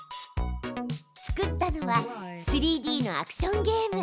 作ったのは３Ｄのアクションゲーム。